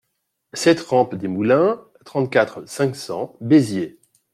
sept rampe des Moulins, trente-quatre, cinq cents, Béziers